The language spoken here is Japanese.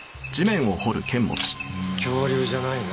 恐竜じゃないな。